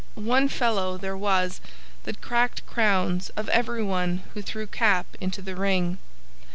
One fellow there was that cracked crowns of everyone who threw cap into the ring.